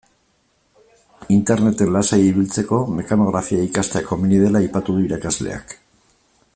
Interneten lasai ibiltzeko mekanografia ikastea komeni dela aipatu du irakasleak.